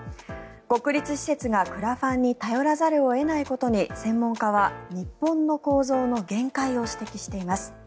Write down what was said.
国立施設がクラファンに頼らざるを得ないことに専門家は日本の構造の限界を指摘しています。